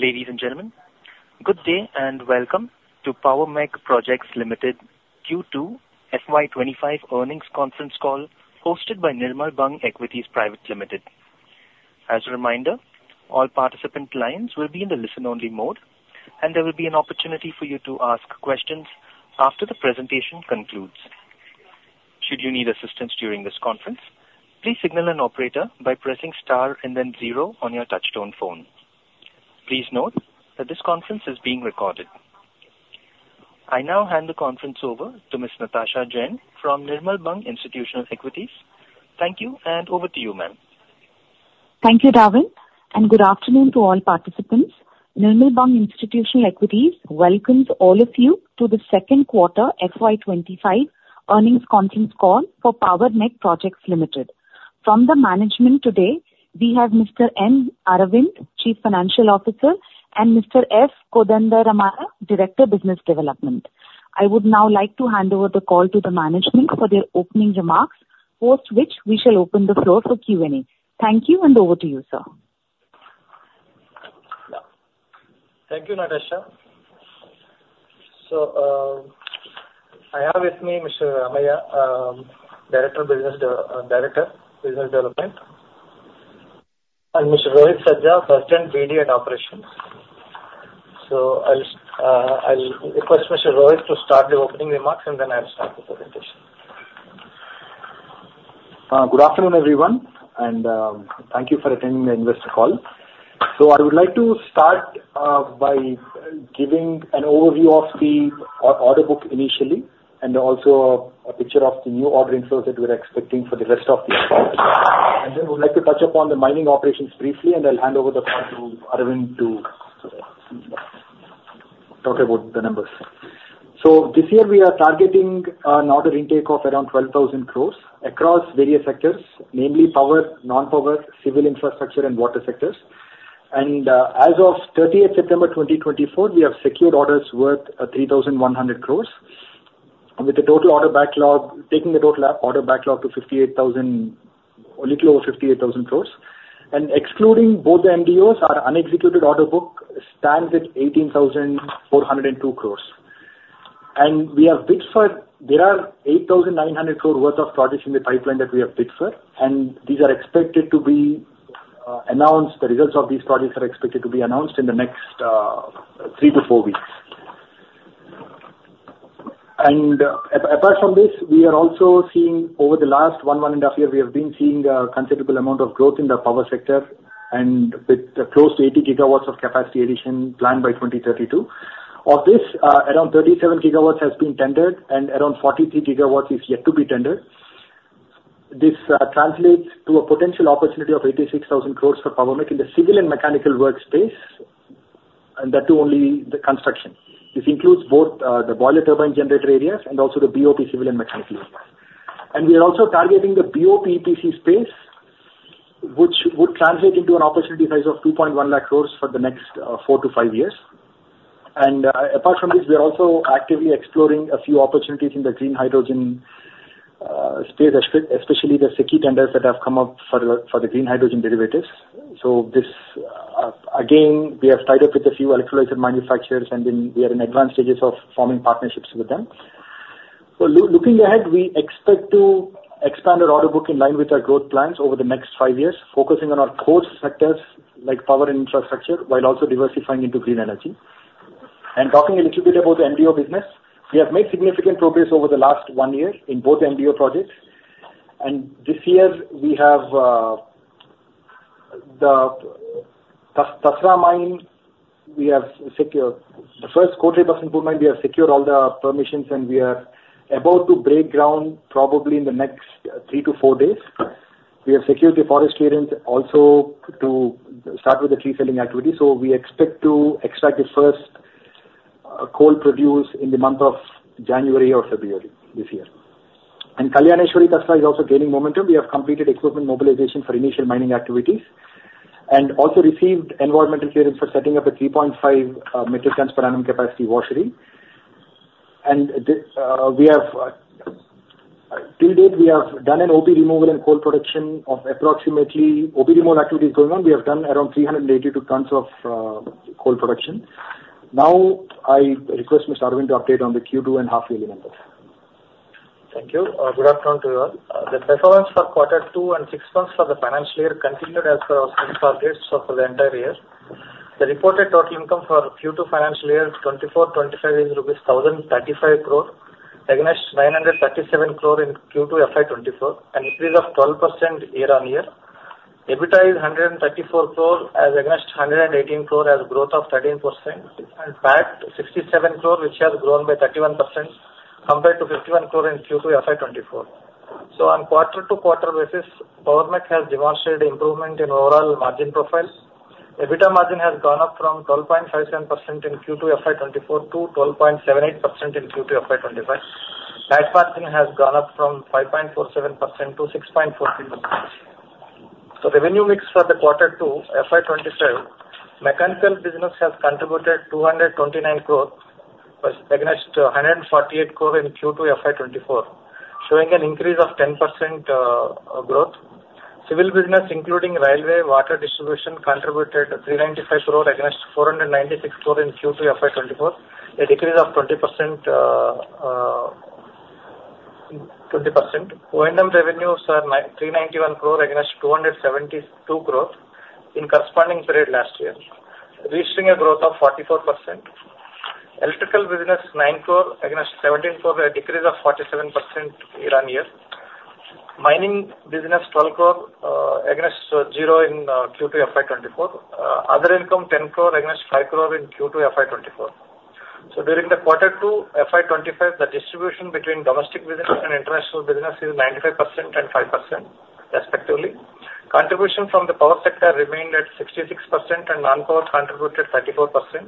Ladies and gentlemen, good day and welcome to Power Mech Projects Q2 FY 2025 Earnings Conference Call hosted by Nirmal Bang Equities Private Limited. As a reminder, all participant lines will be in the listen-only mode, and there will be an opportunity for you to ask questions after the presentation concludes. Should you need assistance during this conference, please signal an operator by pressing star and then zero on your touch-tone phone. Please note that this conference is being recorded. I now hand the conference over to Ms. Natasha Jain from Nirmal Bang Institutional Equities. Thank you, and over to you, ma'am. Thank you, Dorwin, and good afternoon to all participants. Nirmal Bang Institutional Equities welcomes all of you to the second quarter FY 2025 earnings conference call for Power Mech Projects Limited. From the management today, we have Mr. N. Aravind, Chief Financial Officer, and Mr. S. Kodandaramaiah, Director of Business Development. I would now like to hand over the call to the management for their opening remarks, post which we shall open the floor for Q&A. Thank you, and over to you, sir. Thank you, Natasha. So I have with me Mr. S. Kodandaramaiah, Director of Business Development, and Mr. Rohit Sajja, President of Business Development and Operations. So I'll request Mr. Rohit to start the opening remarks, and then I'll start the presentation. Good afternoon, everyone, and thank you for attending the investor call. So I would like to start by giving an overview of the order book initially and also a picture of the new order inflows that we're expecting for the rest of the year. And then we'd like to touch upon the mining operations briefly, and I'll hand over the call to Aravind to talk about the numbers. So this year, we are targeting an order intake of around 12,000 crores across various sectors, namely power, non-power, civil infrastructure, and water sectors. And as of 30th September 2024, we have secured orders worth 3,100 crores, taking the total order backlog to a little over 58,000 crores. And excluding both the MDOs, our unexecuted order book stands at 18,402 crores. We have bid for. There are 8,900 crores worth of projects in the pipeline that we have bid for, and these are expected to be announced. The results of these projects are expected to be announced in the next three to four weeks. Apart from this, we are also seeing over the last one, one and a half years, we have been seeing a considerable amount of growth in the power sector and with close to 80 GW of capacity addition planned by 2032. Of this, around 37 GW has been tendered, and around 43 GW is yet to be tendered. This translates to a potential opportunity of 86,000 crores for Power Mech in the civil and mechanical workspace, and that too only the construction. This includes both the boiler turbine generator areas and also the BOP civil and mechanical areas. And we are also targeting the BOP EPC space, which would translate into an opportunity size of 2.1 lakh crores for the next four to five years. And apart from this, we are also actively exploring a few opportunities in the green hydrogen space, especially the SECI tenders that have come up for the green hydrogen derivatives. So again, we have tied up with a few electrolyzer manufacturers, and then we are in advanced stages of forming partnerships with them. So looking ahead, we expect to expand our order book in line with our growth plans over the next five years, focusing on our core sectors like power and infrastructure while also diversifying into green energy. And talking a little bit about the MDO business, we have made significant progress over the last one year in both MDO projects. And this year, we have the Tasra mine. We have secured the Kotre Basantpur. We have secured all the permissions, and we are about to break ground probably in the next three to four days. We have secured the forest clearance also to start with the tree felling activity. We expect to extract the first coal production in the month of January or February this year. Kalyaneshwari Tasra is also gaining momentum. We have completed equipment mobilization for initial mining activities and also received environmental clearance for setting up a 3.5 million metric tonnes per annum capacity washery. To date, we have done an OB removal and coal production of approximately OB removal activity is going on. We have done around 382 tonnes of coal production. Now I request Mr. Aravind to update on the Q2 and half-yearly numbers. Thank you. Good afternoon to you all. The performance for quarter two and six months for the financial year continued as per our targets for the entire year. The reported total income for Q2 financial year is INR 2,425 crore against 937 crore in Q2 FY 2024, an increase of 12% year-on-year. EBITDA is 134 crore against 118 crore, a growth of 13%, and PAT 67 crore, which has grown by 31% compared to 51 crore in Q2 FY 2024. So on quarter-to-quarter basis, Power Mech has demonstrated improvement in overall margin profile. EBITDA margin has gone up from 12.57% in Q2 FY 2024 to 12.78% in Q2 FY 2025. Net margin has gone up from 5.47%-6.43%. So revenue mix for the quarter two FY 2025, mechanical business has contributed 229 crore against 148 crore in Q2 FY 2024, showing an increase of 10% growth. Civil business, including railway, water, distribution, contributed 395 crore against 496 crore in Q2 FY 2024, a decrease of 20%. O&M revenues are INR 391 crores against INR 272 crores in corresponding period last year, reaching a growth of 44%. Electrical business INR 9 crore against INR 17 crore, a decrease of 47% year-on-year. Mining business INR 12 crore against zero in Q2 FY 2024. Other income INR 10 crore against INR 5 crore in Q2 FY 2024. So during the quarter two FY 2025, the distribution between domestic business and international business is 95% and 5% respectively. Contribution from the power sector remained at 66%, and non-power contributed 34%.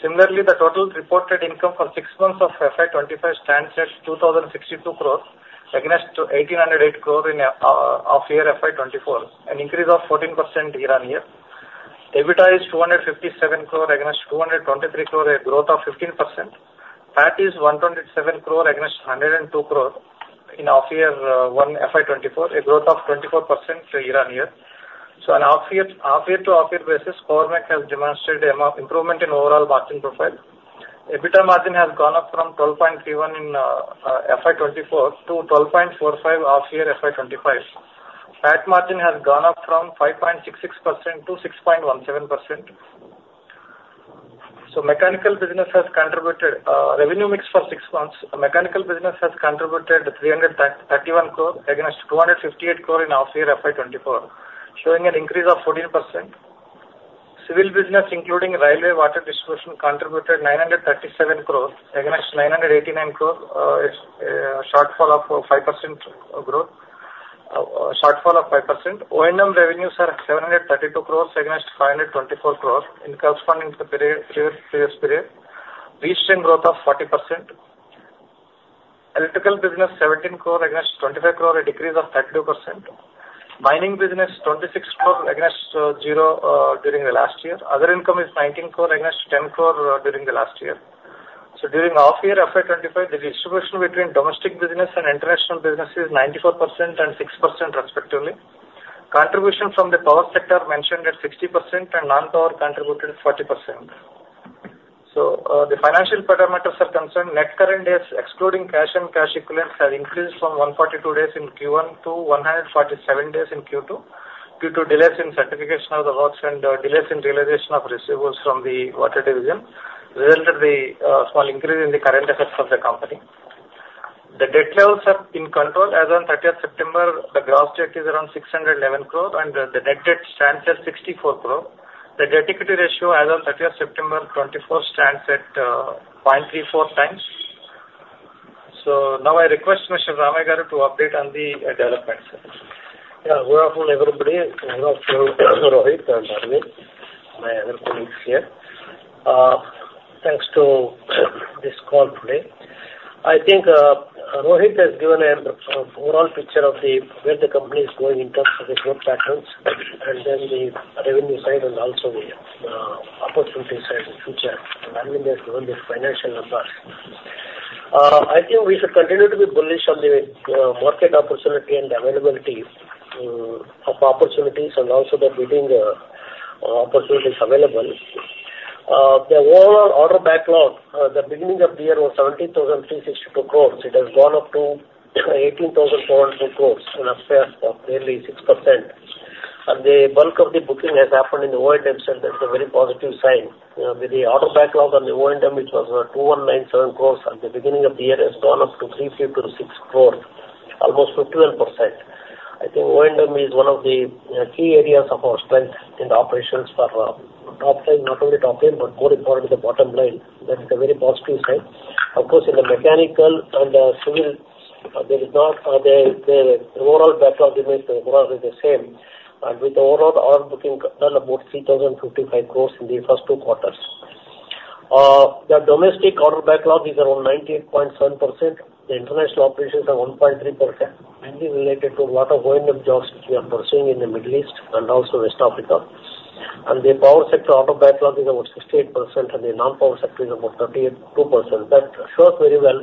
Similarly, the total reported income for six months of FY 2025 stands at 2,062 crores against 1,808 crores in H1 FY 2024, an increase of 14% year-on-year. EBITDA is INR 257 crores against INR 223 crores, a growth of 15%. PAT is INR 127 crores against INR 102 crores in H1 FY 2024, a growth of 24% year-on-year. On a half-year to half-year basis, Power Mech has demonstrated an improvement in overall margin profile. EBITDA margin has gone up from 12.31% in FY 2024 to 12.45% of H1 FY 2025. PAT margin has gone up from 5.66%-6.17%. Mechanical business has contributed revenue mix for six months. Mechanical business has contributed 331 crores as against 258 crore in H1 FY 2024, showing an increase of 14%. Civil business, including railway, water, distribution, contributed 937 crores as against 989 crores, a shortfall of 5% growth, a shortfall of 5%. O&M revenues are 732 crore as against 524 crore in corresponding to the previous period, reaching growth of 40%. Electrical business 17 crore as against 25 crore, a decrease of 32%. Mining business 26 crore as against zero during the last year. Other income is 19 crore as against 10 crore during the last year. During off-year FY 2025, the distribution between domestic business and international business is 94% and 6% respectively. Contribution from the power sector mentioned at 60% and non-power contributed 40%. So the financial parameters are concerned. Net current days, excluding cash and cash equivalents, have increased from 142 days in Q1 to 147 days in Q2 due to delays in certification of the works and delays in realization of receivables from the water division, resulting in a small increase in the current assets of the company. The debt levels have been controlled. As of 30th September, the gross debt is around 611 crores, and the net debt stands at 64 crore. The debt equity ratio, as of 30th September 2024, stands at 0.34x. So now I request Mr. Ramaiah to update on the developments. Yeah, good afternoon, everybody. With Rohit and Aravind. My other colleagues here. Thanks to this call today. I think Rohit has given an overall picture of where the company is going in terms of the growth patterns and then the revenue side and also the opportunity side in future. Aravind has given the financial numbers. I think we should continue to be bullish on the market opportunity and availability of opportunities and also the bidding opportunities available. The overall order backlog, the beginning of the year was 17,362 crores. It has gone up to 18,402 crores in a space of nearly 6%. And the bulk of the booking has happened in the O&M side. That's a very positive sign. With the order backlog on the O&M, it was 2,197 crores at the beginning of the year. It has gone up to 356 crores, almost 51%. I think O&M is one of the key areas of our strength in the operations for top line, not only top line, but more importantly, the bottom line. That is a very positive sign. Of course, in the mechanical and civil, there is not the overall backlog remains overall is the same. And with the overall order booking, about 3,055 crores in the first two quarters. The domestic order backlog is around 98.7%. The international operations are 1.3%, mainly related to a lot of O&M jobs which we are pursuing in the Middle East and also West Africa. And the power sector order backlog is about 68%, and the non-power sector is about 32%. That shows very well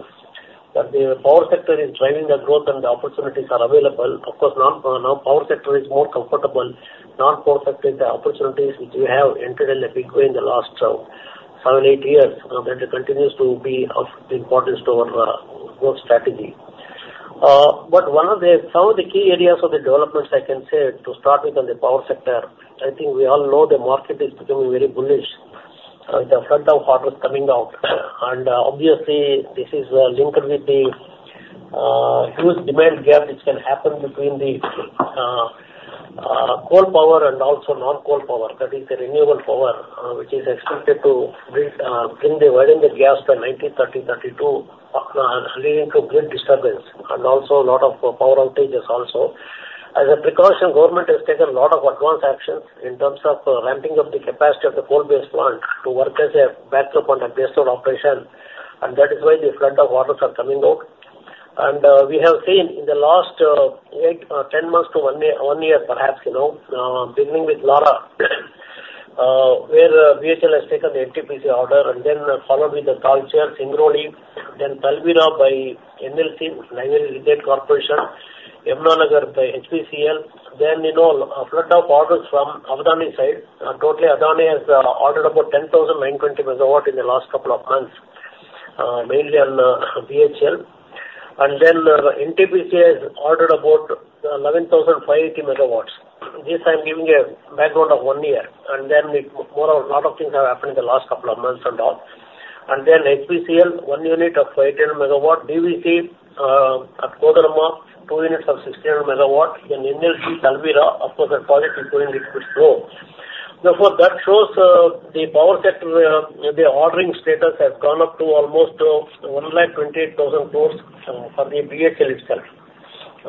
that the power sector is driving the growth and the opportunities are available. Of course, now power sector is more comfortable. Non-power sector is the opportunities which we have entered in a big way in the last seven, eight years. That continues to be of importance to our growth strategy. But some of the key areas of the developments, I can say, to start with on the power sector, I think we all know the market is becoming very bullish with the influx of orders coming out. And obviously, this is linked with the huge demand gap which can happen between the coal power and also non-coal power. That is the renewable power which is expected to bring the widening of the gap by 2030-2032, leading to grid disturbance and also a lot of power outages. As a precaution, government has taken a lot of advanced actions in terms of ramping up the capacity of the coal-based plant to work as a backup on the baseload operation. That is why the flood of orders are coming out. We have seen in the last 10 months to one year, perhaps, beginning with Lara, where BHEL has taken the NTPC order, and then followed with the Talcher, Singrauli, then Talabira by NLC, Neyveli Lignite Corporation, Yamunanagar by HPGCL. Then a flood of orders from Adani side. Totally, Adani has ordered about 10,920 MW in the last couple of months, mainly on BHEL. Then NTPC has ordered about 11,580 MW. This I'm giving a background of one year. Then a lot of things have happened in the last couple of months and all. Then HPGCL, one unit of 800 MW. DVC at Koderma, two units of 1600 MW. Then NLC, Talabira, of course, a positive point which was low. Therefore, that shows the power sector, the ordering status has gone up to almost 128,000 crores for the BHEL itself.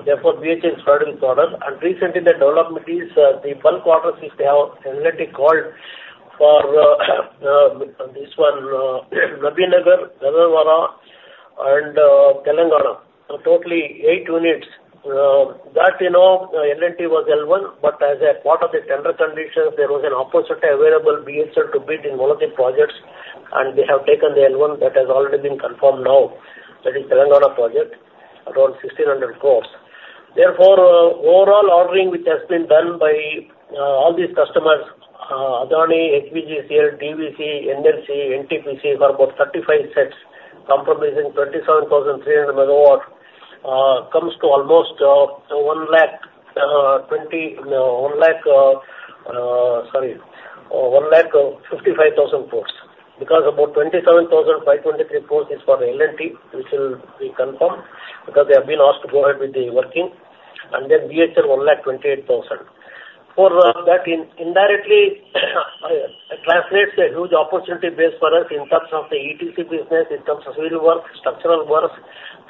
Therefore, BHEL is flooded with orders. And recently, the development is the bulk orders which they have L&T called for this one, Nabinagar, Gadarwara, and Telangana. Totally eight units. That L&T was L1, but as a part of the tender conditions, there was an opportunity available BHEL to bid in one of the projects. And they have taken the L1 that has already been confirmed now. That is Telangana project, around 1,600 crores. Therefore, overall ordering which has been done by all these customers, Adani, HPGCL, DVC, NLC, NTPC, for about 35 sets, comprising 27,300 MW, comes to almost 155,000 crores. Because about 27,523 crores is for L&T, which will be confirmed because they have been asked to go ahead with the working. And then BHEL, 128,000. For that, it indirectly translates to a huge opportunity base for us in terms of the ETC business, in terms of civil works, structural works,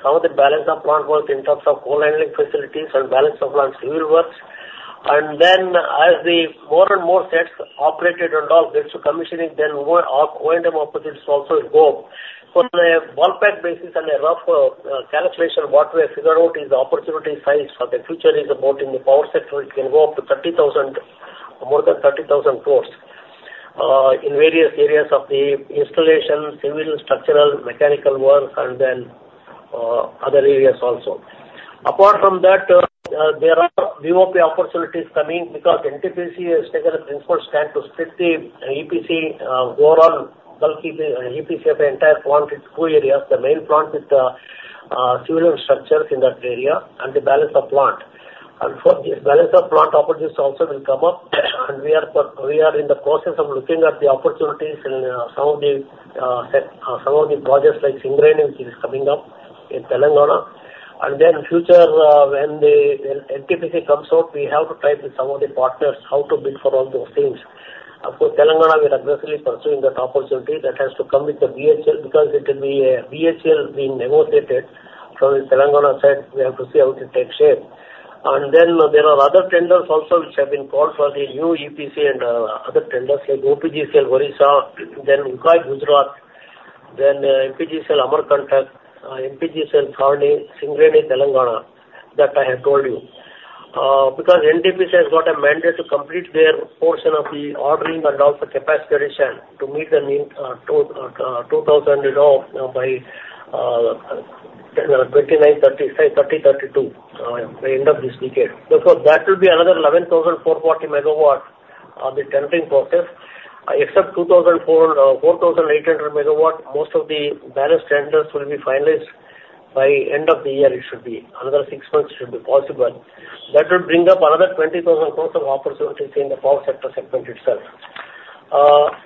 some of the Balance of Plant work in terms of coal handling facilities and Balance of Plant civil works. Then as more and more sets operate and all get to commissioning, O&M opportunities also will go up. On a ballpark basis and a rough calculation, what we have figured out is the opportunity size for the future is about in the power sector; it can go up to 30,000 crores, more than 30,000 crores in various areas of the installation, civil, structural, mechanical works, and then other areas also. Apart from that, there are BoP opportunities coming because NTPC has taken a principal stand to split the EPC overall bulky EPC of the entire plant in two areas, the main plant with the civil and structures in that area and the balance of plant. And for this balance of plant opportunities also will come up. And we are in the process of looking at the opportunities in some of the projects like Singrauli, which is coming up in Telangana. And then future when the NTPC comes out, we have to try with some of the partners how to bid for all those things. Of course, Telangana will aggressively pursue that opportunity. That has to come with the BHEL because it will be a BHEL being negotiated from the Telangana side. We have to see how it will take shape. Then there are other tenders also which have been called for the new EPC and other tenders like OPGCL, Odisha, then Ukai, Gujarat, then MPGCL, Amarkantak, MPGCL, Sarni, Singrauli, Telangana. That I have told you. Because NTPC has got a mandate to complete their portion of the ordering and also capacity addition to meet the need 2,000 by 2030-2032 by end of this decade. Therefore, that will be another 11,440 MW of the tendering process. Except 4,800 MW, most of the balanced tenders will be finalized by end of the year. It should be another six months should be possible. That will bring up another 20,000 crores of opportunities in the power sector segment itself.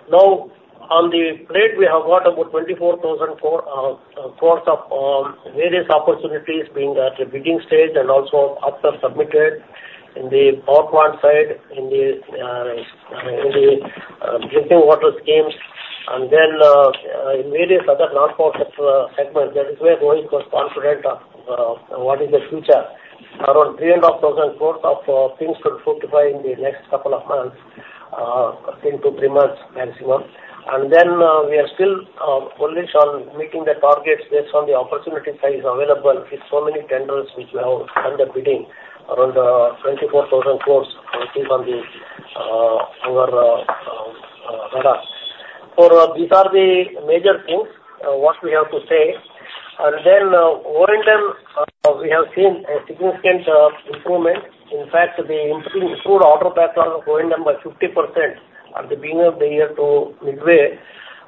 Now, on the plate, we have got about 24,000 crores of various opportunities being at the bidding stage and also already submitted in the power plant side, in the drinking water schemes. In various other non-power sector segments, that is where Rohit was confident of what is the future. Around 3,500 crores of things to be fortified in the next couple of months, two to three months maximum. We are still bullish on meeting the targets based on the opportunity size available with so many tenders which we have done the bidding, around 24,000 crores which is on our radar. For these are the major things, what we have to say. O&M, we have seen a significant improvement. In fact, the improved order backlog O&M by 50% at the beginning of the year to midway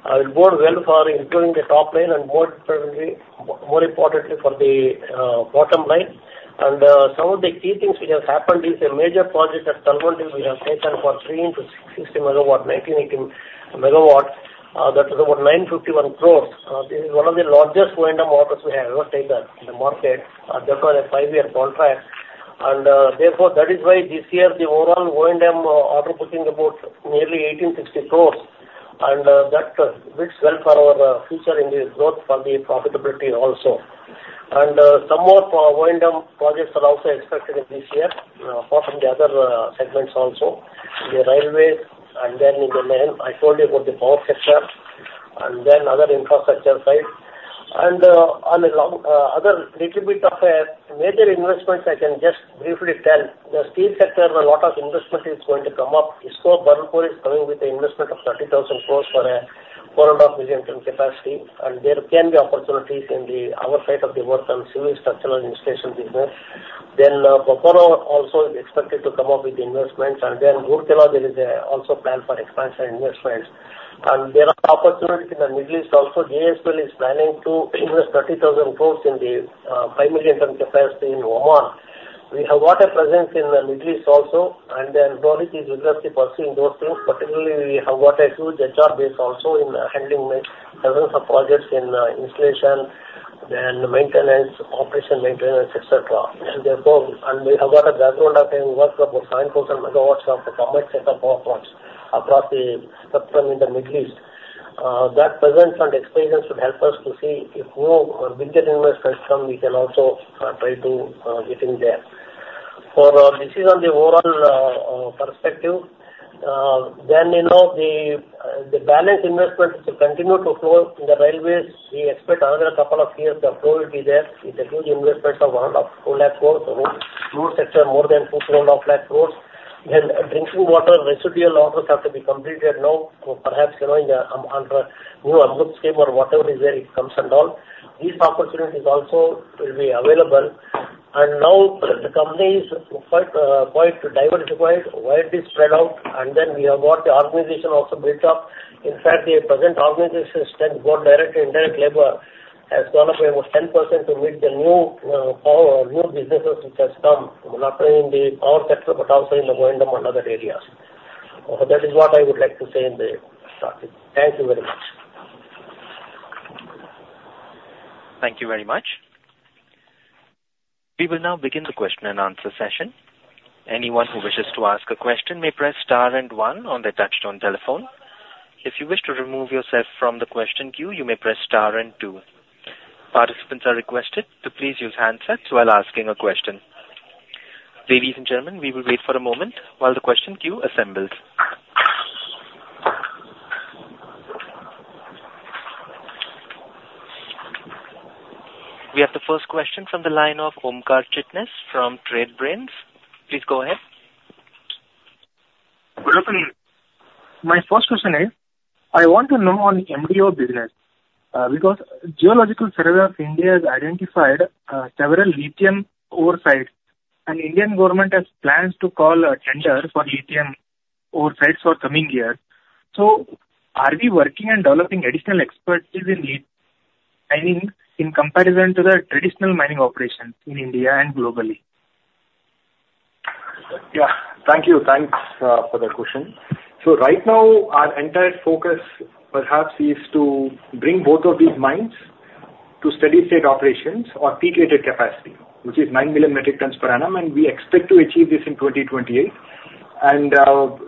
will bode well for improving the top line and more importantly for the bottom line. Some of the key things which have happened is a major project at Talwandi we have taken for 360 MW, 1,980 MW. That is about 951 crores. This is one of the largest O&M orders we have ever taken in the market. That was a five-year contract, and therefore, that is why this year the overall O&M order booking about nearly 1,860 crores, and that bids well for our future in the growth for the profitability also, and some more O&M projects are also expected in this year, apart from the other segments also, in the railways and then in the mining. I told you about the power sector and then other infrastructure side, and on a little bit of a major investments, I can just briefly tell. The steel sector, a lot of investment is going to come up. IISCO, Burnpur is coming with the investment of 30,000 crores for a 4.5 million ton capacity. There can be opportunities in the other side of the work on civil structural installation business. Bokaro also is expected to come up with the investments. Rourkela there is also a plan for expansion investments. There are opportunities in the Middle East also. JSW is planning to invest 30,000 crores in the 5 million ton capacity in Oman. We have got a presence in the Middle East also. Rohit is vigorously pursuing those things. Particularly, we have got a huge HR base also in handling dozens of projects in installation, then maintenance, operation maintenance, etc. We have got a background of working about 7,000 MW of common setup across the sector in the Middle East. That presence and experience would help us to see if more bigger investments come. We can also try to get in there. For this is on the overall perspective. Then the balance investment is to continue to flow in the railways. We expect another couple of years the flow will be there. It's a huge investment of around 2 lakh crores, road sector more than 2.5 lakh crores. Then drinking water, residual orders have to be completed now, perhaps under new AMRUT scheme or whatever it comes and all. These opportunities also will be available. And now the company is quite diversified, widely spread out. And then we have got the organization also built up. In fact, the present organization strength both direct and indirect labor has gone up by about 10% to meet the new businesses which have come, not only in the power sector but also in the O&M and other areas. That is what I would like to say in the start. Thank you very much. Thank you very much. We will now begin the question-and-answer session. Anyone who wishes to ask a question may press star and one on the touch-tone telephone. If you wish to remove yourself from the question queue, you may press star and two. Participants are requested to please use handsets while asking a question. Ladies and gentlemen, we will wait for a moment while the question queue assembles. We have the first question from the line of Omkar Chitnis from Trade Brains. Please go ahead. Good afternoon. My first question is, I want to know on MDO business because Geological Survey of India has identified several lithium ore sites. And the Indian government has plans to call a tender for lithium ore sites for coming years. So are we working on developing additional expertise in mining in comparison to the traditional mining operations in India and globally? Yeah. Thank you. Thanks for the question. So right now, our entire focus perhaps is to bring both of these mines to steady-state operations or peak-rated capacity, which is nine million metric tonnes per annum. And we expect to achieve this in 2028. And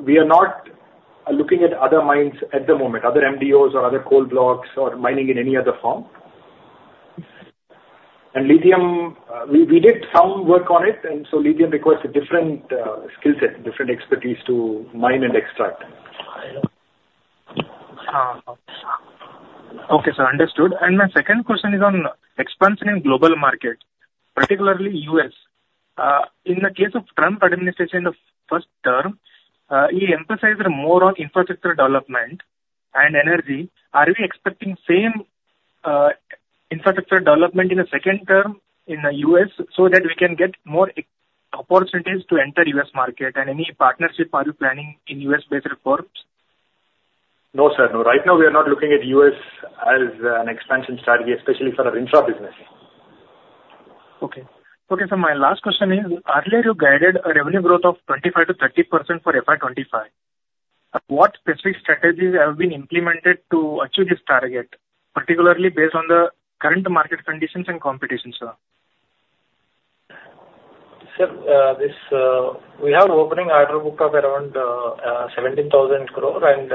we are not looking at other mines at the moment, other MDOs or other coal blocks or mining in any other form. And lithium, we did some work on it. And so lithium requires a different skill set, different expertise to mine and extract. Okay, sir. Understood. And my second question is on expansion in global market, particularly U.S. In the case of Trump administration of first term, he emphasized more on infrastructure development and energy. Are we expecting same infrastructure development in the second term in the U.S. so that we can get more opportunities to enter U.S. market and any partnership are you planning in U.S.-based reforms? No, sir. No. Right now, we are not looking at U.S. as an expansion strategy, especially for our infra-business. Okay. Okay, sir. My last question is, earlier you guided a revenue growth of 25%-30% for FY 2025. What specific strategies have been implemented to achieve this target, particularly based on the current market conditions and competitions, sir? Sir, we have an opening order book of around 17,000 crores. And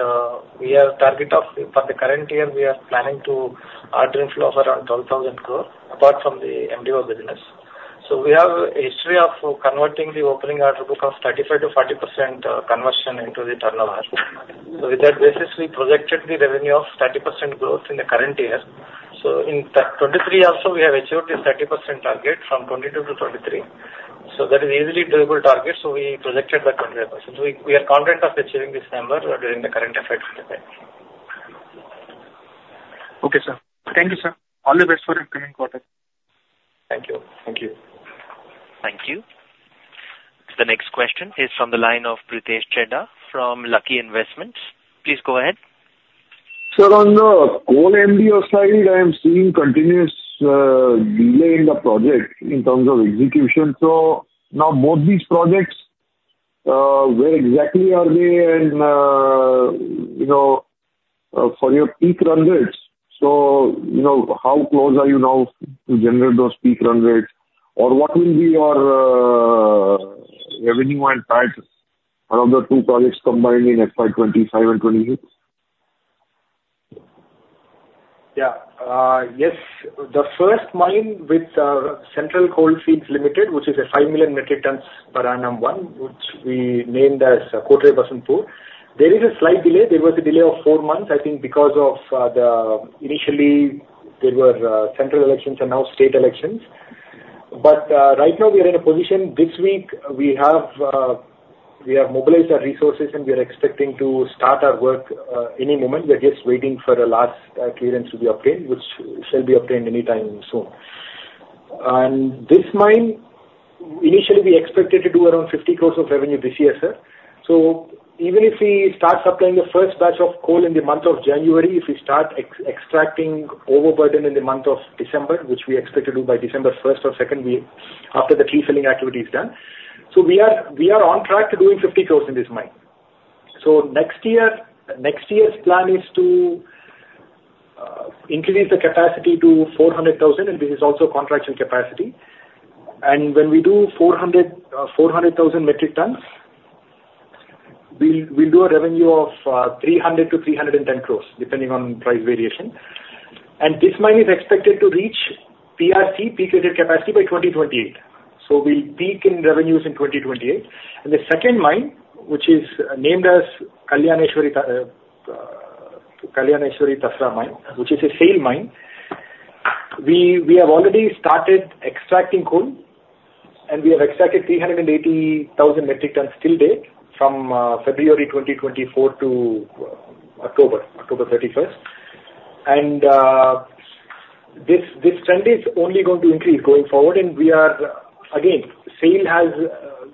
we have target of for the current year, we are planning to order inflow of around 12,000 crores apart from the MDO business. So we have a history of converting the opening order book of 35%-40% conversion into the turnover margin. So with that basis, we projected the revenue of 30% growth in the current year. So in 2023 also, we have achieved this 30% target from 2022 to 2023. So that is easily doable target. So we projected that 25%. We are content of achieving this number during the current FY 2025. Okay, sir. Thank you, sir. All the best for the coming quarter. Thank you. Thank you. Thank you. The next question is from the line of Pritesh Chheda from Lucky Investment Managers. Please go ahead. Sir, on the coal MDO side, I am seeing continuous delay in the project in terms of execution. So now both these projects, where exactly are they? And for your peak run rates, so how close are you now to generate those peak run rates? Or what will be your revenue and price of the two projects combined in FY 2025 and 2026? Yeah. Yes. The first mine with Central Coalfields Limited, which is a five million metric tonnes per annum one, which we named as Kotre Basantpur, there is a slight delay. There was a delay of four months, I think, because initially there were central elections and now state elections. But right now, we are in a position this week we have mobilized our resources and we are expecting to start our work any moment. We are just waiting for the last clearance to be obtained, which shall be obtained anytime soon. And this mine, initially we expected to do around 50 crores of revenue this year, sir. So even if we start supplying the first batch of coal in the month of January, if we start extracting overburden in the month of December, which we expect to do by December 1st or 2nd after the pre-filling activity is done. So we are on track to doing 50 crores in this mine. So next year's plan is to increase the capacity to 400,000 tonnes, and this is also contractual capacity. And when we do 400,000 metric tonnes, we'll do a revenue of 300-310 crores, depending on price variation. And this mine is expected to reach PRC, peak-rated capacity by 2028. So we'll peak in revenues in 2028. And the second mine, which is named as Kalyaneshwari Tasra Mine, which is a SAIL mine, we have already started extracting coal. And we have extracted 380,000 metric tonnes till date from February 2024 to October 31st. And this trend is only going to increase going forward. And we are, again, SAIL. As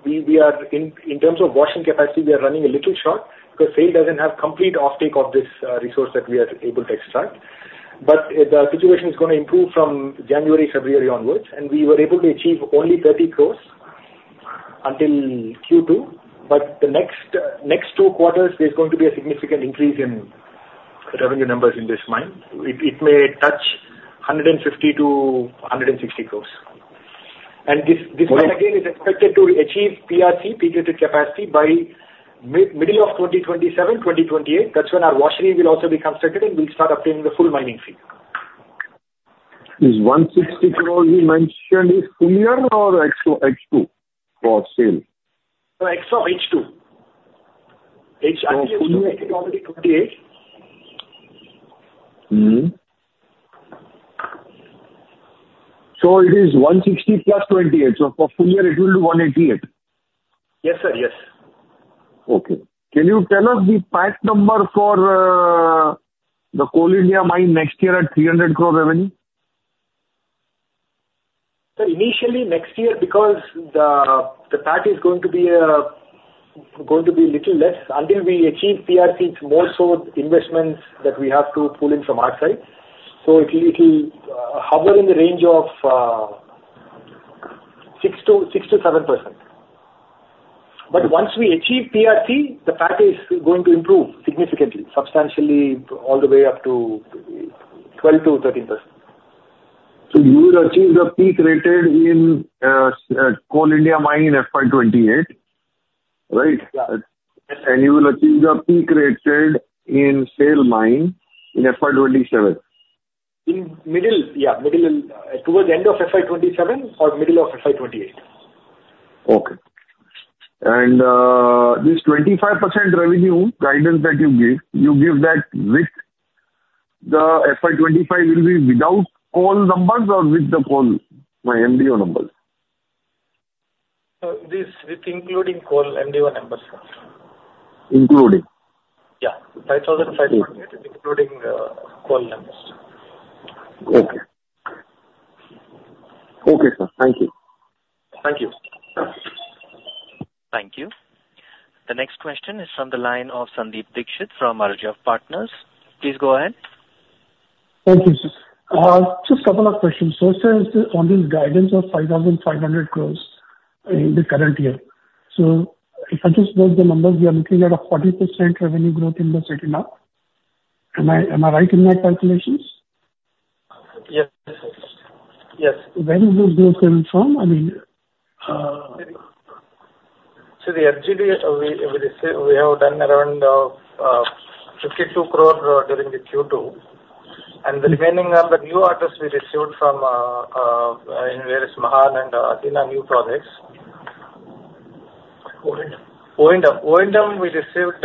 we are in terms of washing capacity, we are running a little short because SAIL doesn't have complete offtake of this resource that we are able to extract. But the situation is going to improve from January, February onwards. And we were able to achieve only 30 crores until Q2. But the next two quarters, there's going to be a significant increase in revenue numbers in this mine. It may touch 150 crores-160 crores. And this mine, again, is expected to achieve PRC, peak-rated capacity by middle of 2027-2028. That's when our washeries will also be constructed and we'll start obtaining the full mining fee. Is 160 crores you mentioned is similar or H2 for steel? No, H2. H2. I think it's already 28. So it is 160 plus 28. So for full year, it will be 188? Yes, sir. Yes. Okay. Can you tell us the PAT number for the Coal India mine next year at 300 crores revenue? Initially, next year, because the PAT is going to be a little less, until we achieve PRC, it's more so investments that we have to pull in from our side. So it'll hover in the range of 6%-7%. But once we achieve PRC, the PAT is going to improve significantly, substantially all the way up to 12%-13%. So you will achieve the peak-rated in Coal India mine in FY 2028, right? And you will achieve the peak-rated in steel mine in FY 2027? Yeah. Middle towards the end of FY 2027 or middle of FY 2028. Okay. And this 25% revenue guidance that you give, you give that with the FY 2025 will be without coal numbers or with the coal MDO numbers? With including coal MDO numbers. Including? Yeah. 5,500 crores including coal numbers. Okay. Okay, sir. Thank you. Thank you. Thank you. The next question is from the line of Sandeep Dixit from Arjav Partners. Please go ahead. Thank you, sir. Just a couple of questions. So sir, on this guidance of 5,500 crores in the current year, so if I just note the numbers, we are looking at a 40% revenue growth in the second half. Am I right in my calculations? Yes. Yes. Where is this growth coming from? I mean. So the FGD, we have done around 52 crores during the Q2. And the remaining are the new orders we received from various Mahan and Athena new projects. O&M. We received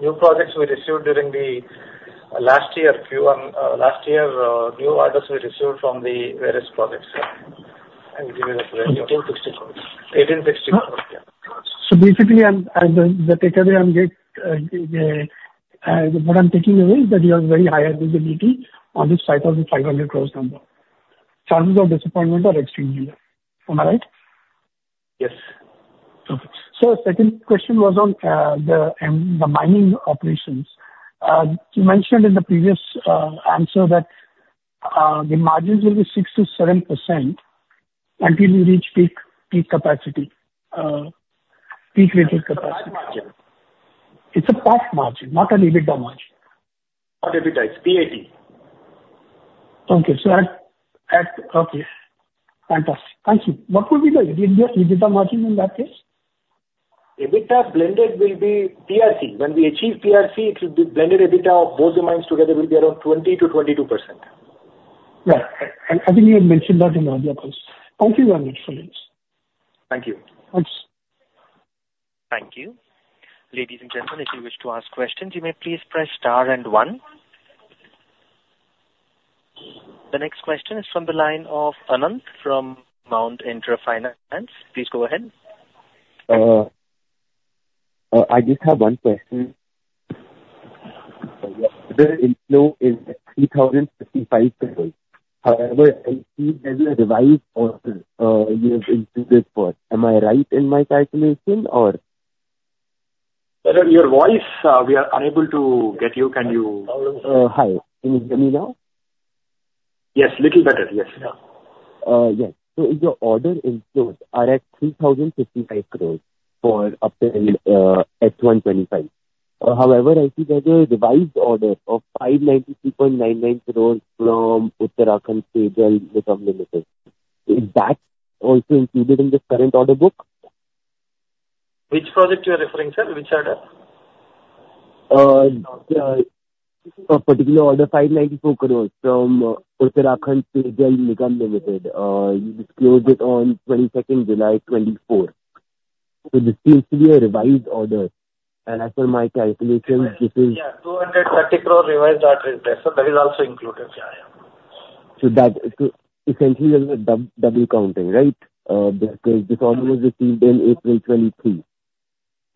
new projects we received during the last year. Last year, new orders we received from the various projects. And we give it as revenue. INR 1,860 crores. INR 1,860 crores. Yeah. So basically, the takeaway I'm taking away is that you have very high availability on this 5,500 crores number. Chances of disappointment are extremely low. Am I right? Yes. Okay. Sir, second question was on the mining operations. You mentioned in the previous answer that the margins will be 6%-7% until you reach peak capacity, peak-rated capacity. PAT margin. It's a PAT margin, not an EBITDA margin. Not EBITDA. It's PAT. Okay. So at... Okay. Fantastic. Thank you. What will be the EBITDA margin in that case? EBITDA blended will be PRC. When we achieve PRC, it will be blended EBITDA of both the mines together will be around 20%-22%. Yeah. I think you had mentioned that in earlier calls. Thank you very much, sir. Thank you. Thanks. Thank you. Ladies and gentlemen, if you wish to ask questions, you may please press star and one. The next question is from the line of Anand from Mount Intra Finance. Please go ahead. I just have one question. The inflow is 3,055 crores. However, it is a revised order you have included for. Am I right in my calculation or...? Sir, your voice, we are unable to get you. Can you...? Hi. Can you hear me now? Yes. Little better. Yes. Yes. So if the order includes, I read 3,055 crores for up till H1 2025. However, I see there's a revised order of 592.99 crores from Uttarakhand Pey Jal Nigam Limited. Is that also included in the current order book? Which project you are referring, sir? Which order? A particular order, INR 592 crores from Uttarakhand Pey Jal Nigam Limited. You disclosed it on 22nd July 2024. So this seems to be a revised order. And as per my calculation, this is... Yeah. 230 crores revised order is there. So that is also included. Yeah. Yeah. So essentially, there's a double counting, right? Because this order was received in April 2023.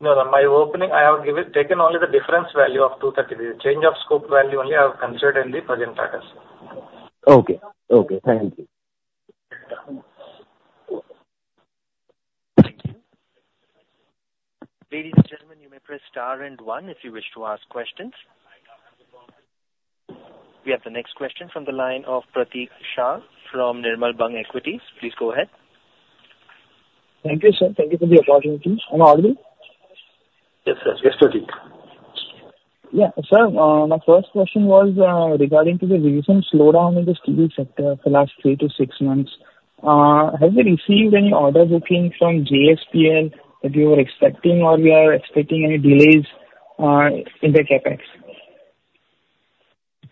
No. My opening, I have taken only the difference value of 230. The change of scope value only I have considered in the present orders. Okay. Okay. Thank you. Thank you. Ladies and gentlemen, you may press star and one if you wish to ask questions. We have the next question from the line of Pratik Shah from Nirmal Bang Equities. Please go ahead. Thank you, sir. Thank you for the opportunity. I'm audible? Yes, sir. Yes, Pratik. Yeah. Sir, my first question was regarding to the recent slowdown in the steel sector for the last three to six months. Have you received any order booking from JSPL that you were expecting, or we are expecting any delays in the CapEx?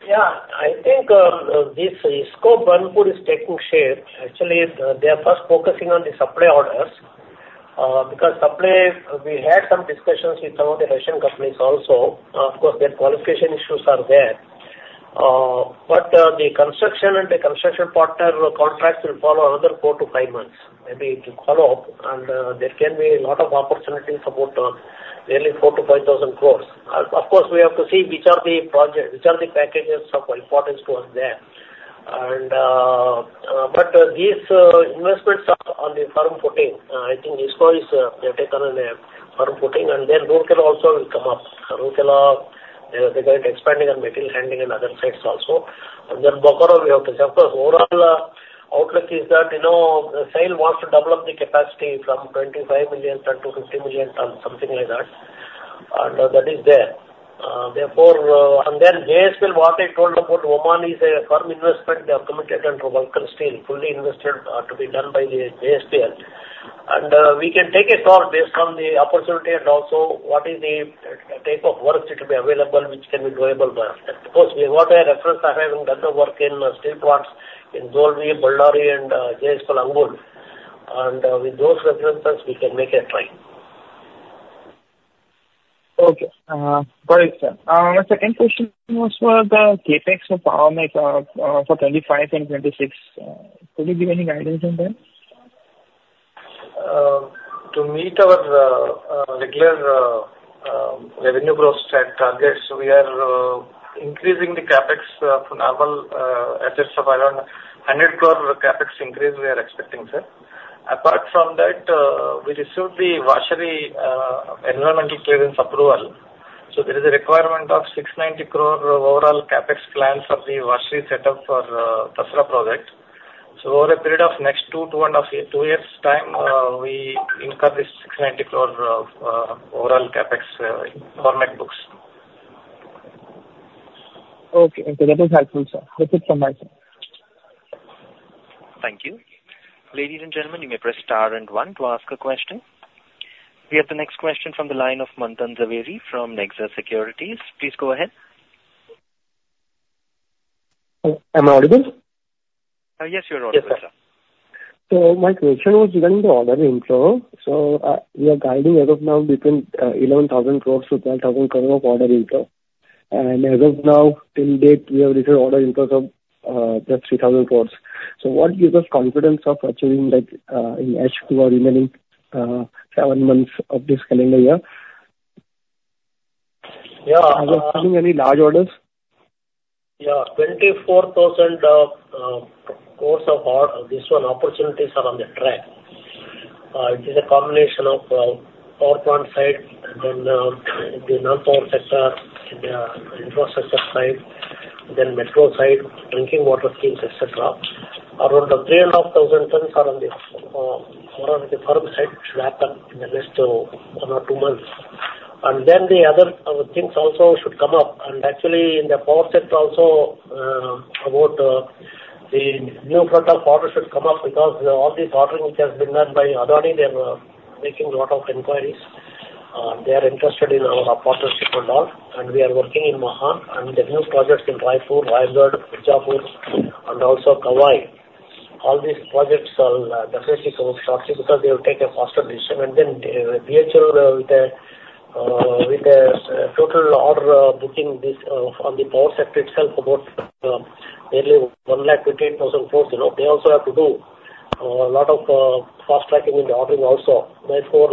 Yeah. I think this scope one could be taking shape. Actually, they are first focusing on the supply orders because supply, we had some discussions with some of the Asian companies also. Of course, their qualification issues are there. But the construction and the construction partner contracts will follow another four to five months. Maybe to follow up. And there can be a lot of opportunities about nearly 4,000 crores-5,000 crores. Of course, we have to see which are the projects, which are the packages of importance to us there. But these investments are on the firm footing. I think IISCO is taken on a firm footing. Then Rourkela also will come up. Rourkela, they are going to expand their material handling and other sites also. Then Bokaro, we have to see. Of course, overall outlook is that steel wants to develop the capacity from 25 million tonnes-50 million tonnes, something like that. And that is there. Therefore, and then JSPL, what I told about Oman is a firm investment they have committed under Vulcan Green Steel, fully invested to be done by the JSPL. And we can take a call based on the opportunity and also what is the type of work that will be available, which can be doable by us. Of course, we have got a reference. I haven't done the work in steel plants in Dolvi, Ballari, and JSPL Angul. And with those references, we can make a try. Okay. Got it, sir. My second question was for the CapEx for Power Mech for 25 and 26. Could you give any guidance on that? To meet our regular revenue growth targets, we are increasing the CapEx for normal assets of around 100 crore CapEx increase we are expecting, sir. Apart from that, we received the washery environmental clearance approval. So there is a requirement of 690 crores overall CapEx plan for the washery setup for Tasra project. So over a period of next two to one and a half, two years' time, we incur this 690 crores overall CapEx in our books. Okay. So that was helpful, sir. That's it from my side. Thank you. Ladies and gentlemen, you may press star and one to ask a question. We have the next question from the line of Manthan Jhaveri from Nexus Securities. Please go ahead. Am I audible? Yes, you're audible, sir. So my question was regarding the order inflow. So we are guiding as of now between 11,000 crores-12,000 crores of order inflow. And as of now, till date, we have received order inflows of just 3,000 crores. So what gives us confidence of achieving that in H2 or remaining seven months of this calendar year? Yeah. Are we seeing any large orders? Yeah. 24,000 crores of this one, opportunities are on the track. It is a combination of power plant side, then the non-power sector, the infrastructure side, then metro side, drinking water schemes, etc. Around 3,500 tonnes are on the firm side which will happen in the next one or two months. And then the other things also should come up. And actually, in the power sector also, about the new flood of orders should come up because all these ordering has been done by Adani. They are making a lot of inquiries. They are interested in our partnership and all. And we are working in Mahan. And the new projects in Raipur, Raigarh, Mirzapur, and also Kawai. All these projects will definitely come up shortly because they will take a faster decision. And then BHEL, with the total order booking on the power sector itself, about nearly 128,000 crores, they also have to do a lot of fast tracking in the ordering also. Therefore,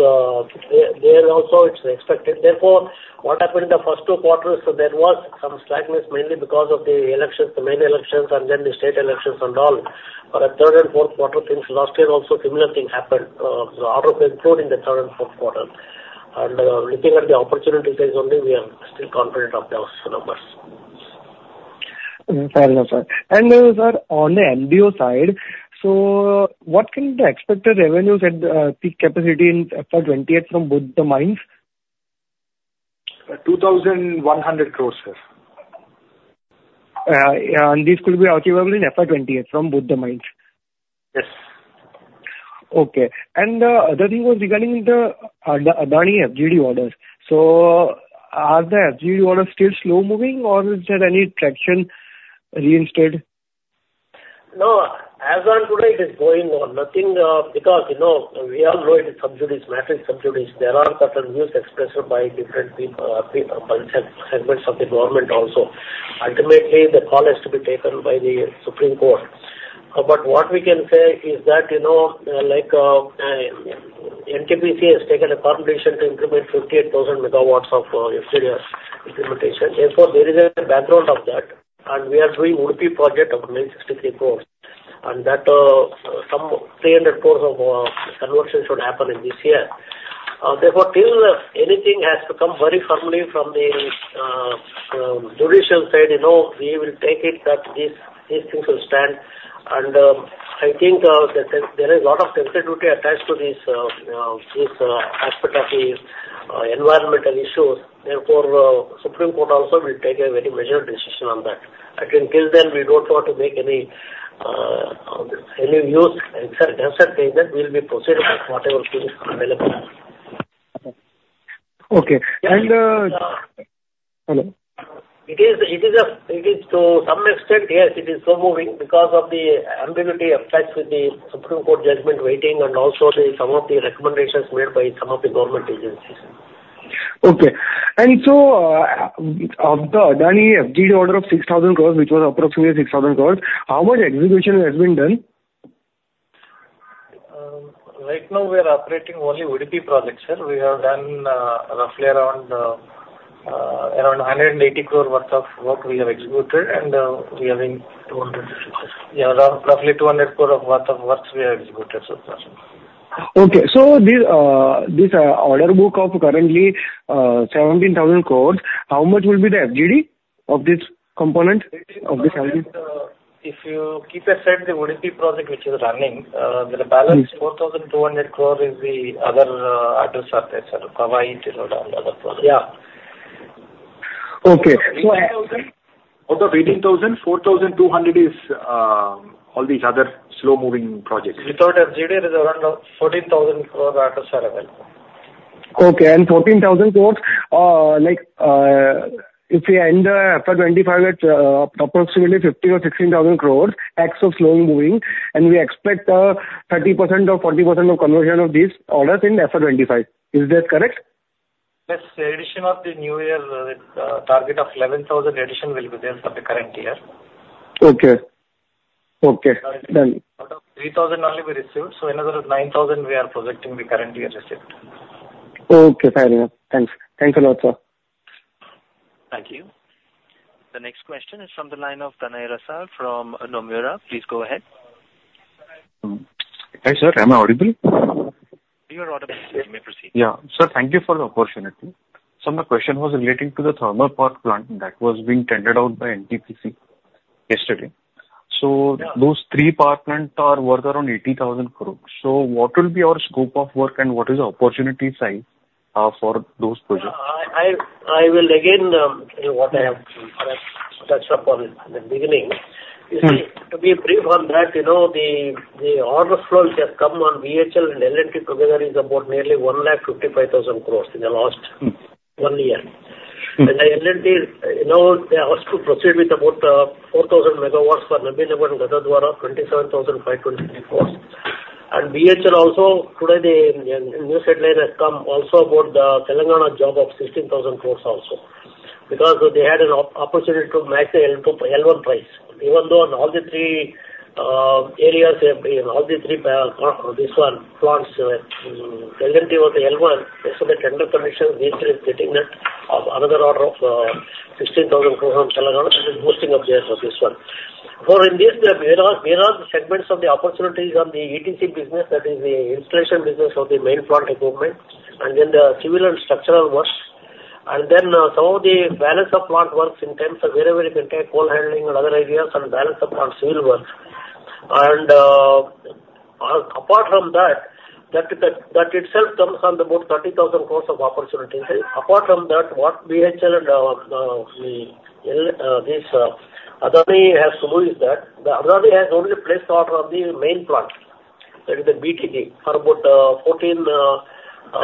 there also, it's expected. Therefore, what happened in the first two quarters, there was some slackness mainly because of the elections, the main elections, and then the state elections and all. But at third and fourth quarter things, last year also similar thing happened. The order was improved in the third and fourth quarter. And looking at the opportunities is only we are still confident of those numbers. Fair enough, sir. Sir, on the MDO side, what can the expected revenues at peak capacity in FY 2028 from both the mines? INR 2,100 crores, sir. And these could be achievable in FY 2028 from both the mines? Yes. Okay. And the other thing was regarding the Adani FGD orders. So are the FGD orders still slow moving, or is there any traction reinstated? No. As of today, it is going on. Nothing because we all know it is sub judice, matter is sub judice. There are certain views expressed by different segments of the government also. Ultimately, the call has to be taken by the Supreme Court. But what we can say is that NTPC has taken a firm decision to implement 58,000 MW of FGD implementation. Therefore, there is a background of that. And we are doing Udupi project of 963 crores. That 300 crores of conversion should happen in this year. Therefore, till anything has to come very firmly from the judicial side, we will take it that these things will stand. I think there is a lot of sensitivity attached to this aspect of the environmental issues. Therefore, Supreme Court also will take a very measured decision on that. Until then, we don't want to make any use and accept that we will be proceeding with whatever things are available. Okay. Hello? It is to some extent, yes, it is slow moving because of the ambiguity of facts with the Supreme Court judgment waiting and also some of the recommendations made by some of the government agencies. Okay. Of the Adani FGD order of 6,000 crores, which was approximately 6,000 crores, how much execution has been done? Right now, we are operating only Udupi projects, sir. We have done roughly around 180 crore worth of work we have executed. And we are in 200 crores. Yeah, roughly 200 crores worth of works we have executed, sir. Okay. So this order book of currently 17,000 crores, how much will be the FGD of this component? If you keep aside the Udupi project, which is running, the balance 4,200 crores is the other orders out there, sir. Kawai is around the other project. Yeah. Okay. So out of 18,000 crores, 4,200 crores is all these other slow moving projects. Without FGD, there is around 14,000 crores orders are available. Okay. And 14,000 crores, if we end FY 2025 at approximately 15,000 crores or 16,000 crores, net of slow moving, and we expect 30% or 40% of conversion of these orders in FY 2025. Is that correct? Yes. Addition of the new year, the target of 11,000 crores addition will be there for the current year. Okay. Okay. Then out of 3,000 crores only we received, so another 9,000 crores we are projecting the current year received. Okay. Fair enough. Thanks. Thanks a lot, sir. Thank you. The next question is from the line of Tanay Rasal from Nomura. Please go ahead. Hi, sir. Am I audible? You are audible. You may proceed. Yeah. Sir, thank you for the opportunity. So my question was relating to the thermal power plant that was being tendered out by NTPC yesterday. So those three power plants are worth around 80,000 crores. So what will be our scope of work and what is the opportunity size for those projects? I will again do what I have touched upon in the beginning. To be brief on that, the order flow which has come on VHL and L&T together is about nearly 155,000 crores in the last one year. And L&T, they asked to proceed with about 4,000 MW for Nabinagar and Gadarwara, 27,523 crores. And VHL also, today the new headline has come also about the Telangana job of 16,000 crores also because they had an opportunity to match the L1 price. Even though in all the three areas, in all the three this one, plants, L&T was the L1, based on the tender conditions, VHL is getting that of another order of 16,000 crores on Telangana. That is boosting up theirs of this one. For in this, there are segments of the opportunities on the ETC business, that is the installation business of the main plant equipment, and then the civil and structural works. Then some of the balance of plant works in terms of wherever you can take coal handling and other areas and balance of plant civil work. Apart from that, that itself comes under about 30,000 crores of opportunity. Apart from that, what BHEL and this Adani has to do is that the Adani has only placed the order on the main plant. That is the BTG for about 14,000 MW, 10,900 MW. Now,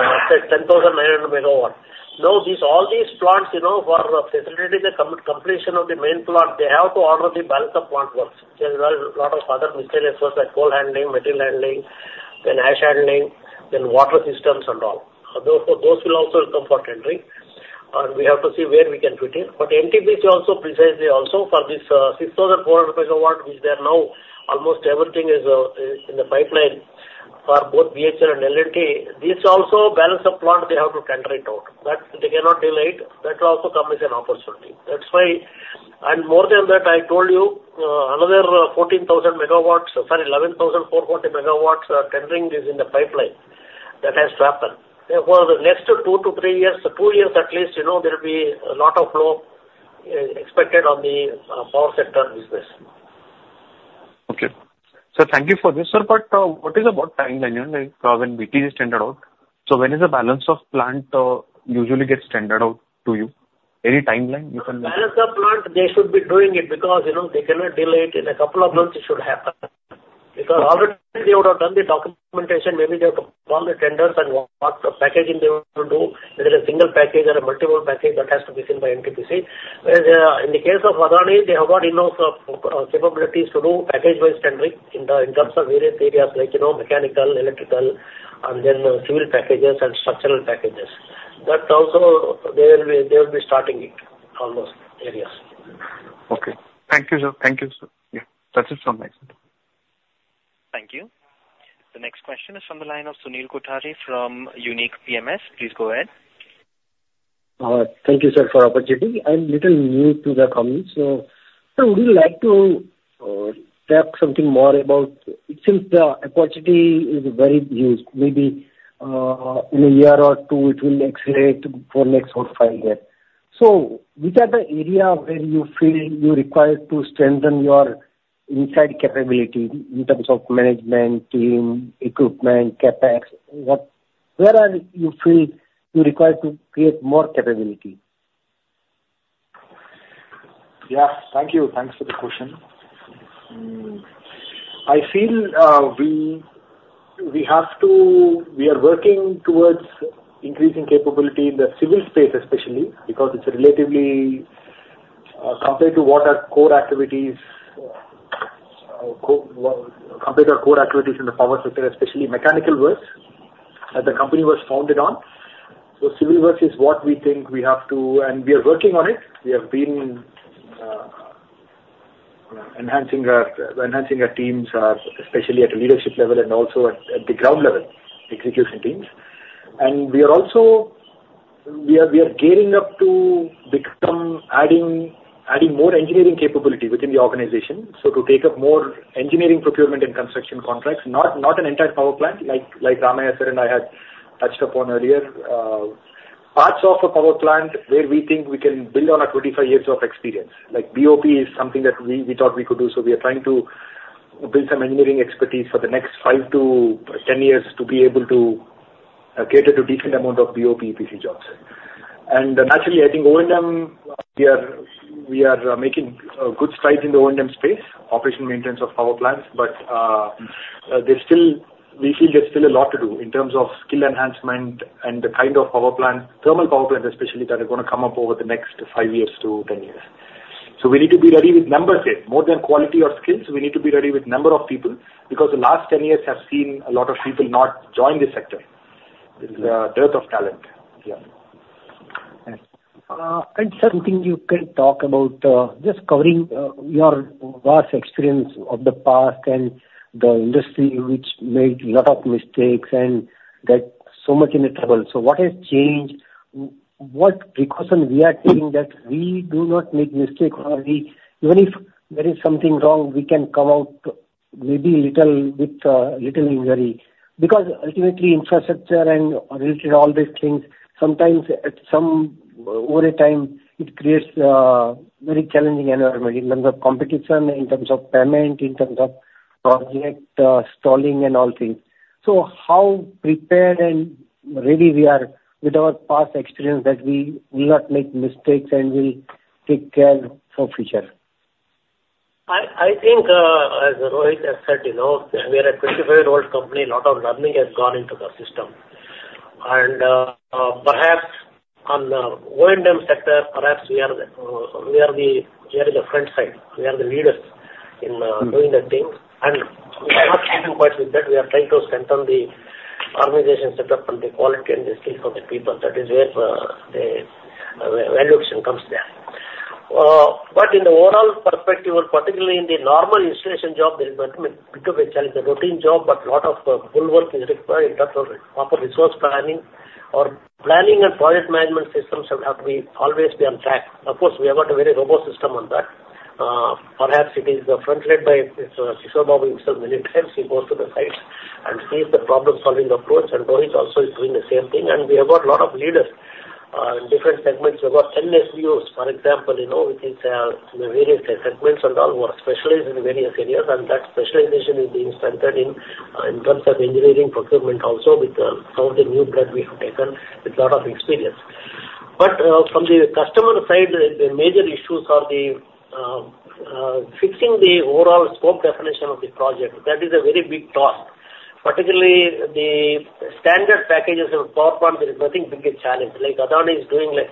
all these plants for facilitating the completion of the main plant, they have to order the balance of plant works. There are a lot of other miscellaneous works like coal handling, material handling, then ash handling, then water systems and all. Those will also come for tendering. We have to see where we can fit in. But NTPC also precisely also for this 6,400 MW, which they are now almost everything is in the pipeline for both BHEL and L&T, this also balance of plant, they have to tender it out. That they cannot delay it. That also comes as an opportunity. That's why, and more than that, I told you, another 14,000 MW, sorry, 11,440 MW tendering is in the pipeline that has to happen. Therefore, the next two to three years, two years at least, there will be a lot of flow expected on the power sector business. Okay. Sir, thank you for this, sir. But what is about timeline? When BTG is tendered out, so when is the balance of plant usually gets tendered out to you? Any timeline you can? Balance of plant, they should be doing it because they cannot delay it. In a couple of months, it should happen. Because already, they would have done the documentation. Maybe they have to call the tenders and what packaging they will do, whether a single package or a multiple package that has to be seen by NTPC. In the case of Adani, they have got enough capabilities to do package-wise tendering in terms of various areas like mechanical, electrical, and then civil packages and structural packages. That also, they will be starting it on those areas. Okay. Thank you, sir. Thank you, sir. Yeah. That's it from my side. Thank you. The next question is from the line of Sunil Kothari from Unique PMS. Please go ahead. Thank you, sir, for the opportunity. I'm a little new to the company. So, sir, would you like to talk something more about since the opportunity is very huge, maybe in a year or two, it will accelerate for the next four or five years? So which are the areas where you feel you require to strengthen your inside capability in terms of management team, equipment, CapEx? Where are you feel you require to create more capability? Yeah. Thank you. Thanks for the question. I feel we are working towards increasing capability in the civil space, especially because it's relatively compared to what our core activities in the power sector, especially mechanical works that the company was founded on. So civil works is what we think we have to, and we are working on it. We have been enhancing our teams, especially at the leadership level and also at the ground level execution teams. We are also gearing up to adding more engineering capability within the organization. So to take up more engineering procurement and construction contracts, not an entire power plant like Ramaiah sir and I had touched upon earlier, parts of a power plant where we think we can build on our 25 years of experience. Like BOP is something that we thought we could do. So we are trying to build some engineering expertise for the next 5-10 years to be able to cater to a decent amount of BOP EPC jobs. Naturally, I think O&M, we are making a good stride in the O&M space, operation maintenance of power plants. But we feel there's still a lot to do in terms of skill enhancement and the kind of power plant, thermal power plants, especially that are going to come up over the next five years to 10 years. So we need to be ready with numbers here. More than quality or skills, we need to be ready with number of people because the last 10 years have seen a lot of people not join this sector. It's a dearth of talent. Yeah, and something you can talk about, just covering your vast experience of the past and the industry, which made a lot of mistakes and got so much in trouble, so what has changed? What precaution we are taking that we do not make mistakes? Or even if there is something wrong, we can come out maybe a little with a little injury? Because ultimately, infrastructure and related all these things, sometimes over time, it creates a very challenging environment in terms of competition, in terms of payment, in terms of project stalling and all things. So how prepared and ready we are with our past experience that we will not make mistakes and will take care for the future? I think, as Rohit has said, we are a 25-year-old company. A lot of learning has gone into the system, and perhaps on the O&M sector, perhaps we are the front side. We are the leaders in doing the things, and we are not keeping quiet with that. We are trying to strengthen the organization setup and the quality and the skills of the people. That is where the evolution comes there, but in the overall perspective, particularly in the normal installation job, there is a bit of a challenge. The routine job, but a lot of work is required in terms of proper resource planning or planning and project management systems have to always be on track. Of course, we have got a very robust system on that. Perhaps it is front-led by Kishore Babu himself many times. He goes to the sites and sees the problem-solving approach, and Rohit also is doing the same thing. We have got a lot of leaders in different segments. We have got 10 SVPs, for example, within various segments, and all were specialized in various areas. That specialization is being strengthened in terms of engineering procurement also with some of the new blood we have taken with a lot of experience, but from the customer side, the major issues are fixing the overall scope definition of the project. That is a very big task. Particularly, the standard packages and power plants, there is no bigger challenge. Like Adani is doing a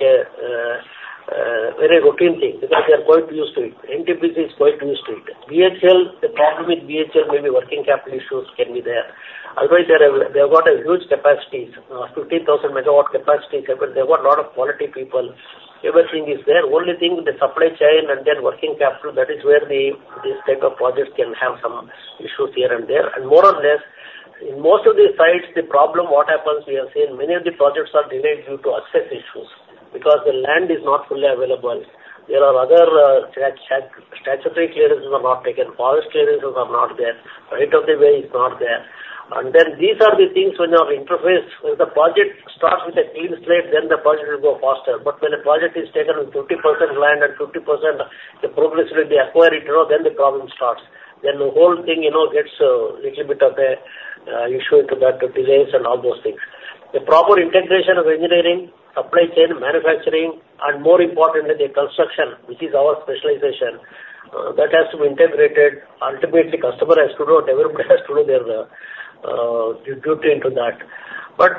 very routine thing because they are quite used to it. NTPC is quite used to it. BHEL, the problem with BHEL maybe working capital issues can be there. Otherwise, they have got huge capacities, 15,000 MW capacities. They have got a lot of quality people. Everything is there. Only thing, the supply chain and then working capital, that is where this type of project can have some issues here and there. And more or less, in most of the sites, the problem what happens, we have seen many of the projects are delayed due to access issues because the land is not fully available. There are other statutory clearances are not taken. Forest clearances are not there. Right of way is not there. Then these are the things when you have interfaced. When the project starts with a clean slate, then the project will go faster. But when a project is taken with 50% land and 50% progress with the acquired, then the problem starts. Then the whole thing gets a little bit of an issue into that delays and all those things. The proper integration of engineering, supply chain, manufacturing, and more importantly, the construction, which is our specialization, that has to be integrated. Ultimately, customer has to do or developer has to do their duty into that. But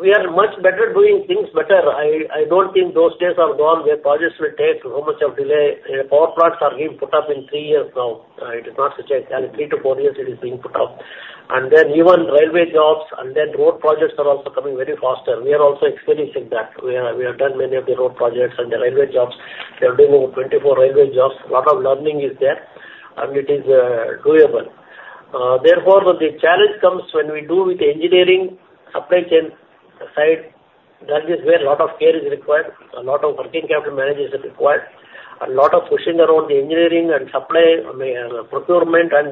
we are much better doing things better. I don't think those days are gone where projects will take so much of delay. Power plants are being put up in three years now. It is not such a challenge. Three to four years, it is being put up. And then even railway jobs and then road projects are also coming very faster. We are also experiencing that. We have done many of the road projects and the railway jobs. We are doing over 24 railway jobs. A lot of learning is there, and it is doable. Therefore, the challenge comes when we do with the engineering, supply chain side. That is where a lot of care is required. A lot of working capital managers are required. A lot of pushing around the engineering and supply procurement and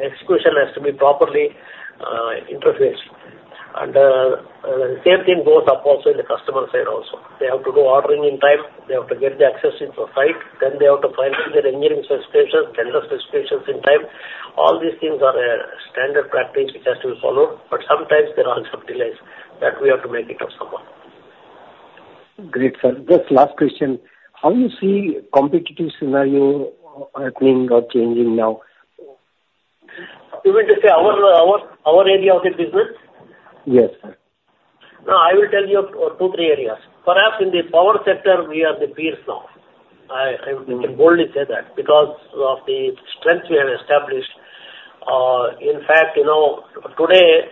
execution has to be properly interfaced. And the same thing goes up also in the customer side also. They have to do ordering in time. They have to get the access into site. Then they have to finalize their engineering specifications, tender specifications in time. All these things are standard practice which has to be followed. But sometimes there are some delays that we have to make it up somehow. Great, sir. Just last question. How do you see competitive scenario happening or changing now? You mean to say our area of the business? Yes, sir. No, I will tell you two, three areas. Perhaps in the power sector, we have no peers now. I can boldly say that because of the strength we have established. In fact, today,